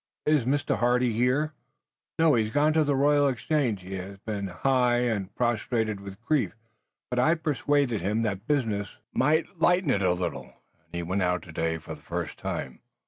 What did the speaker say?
Is Mr. Hardy here?" "No, he has gone to the Royal Exchange. He has been nigh prostrated with grief, but I persuaded him that business might lighten it a little, and he went out today for the first time.